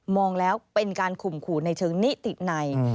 มองแล้วเป็นการขุมขู่ในเชิงนี้ติดไหน